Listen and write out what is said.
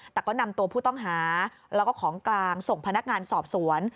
แต่ก็นำตัวผู้ต้องหาแล้วก็ของกลางส่งพนักงานสอบสวน